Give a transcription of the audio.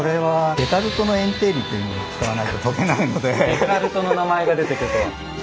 デカルトの名前が出てくるとは。